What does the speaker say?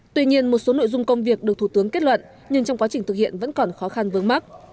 tuy nhiên một số nội dung công việc được thủ tướng kết luận nhưng trong quá trình thực hiện vẫn còn khó khăn vướng mắt